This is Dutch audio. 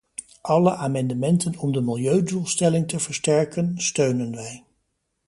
Alle amendementen om de milieudoelstelling te versterken, steunen wij.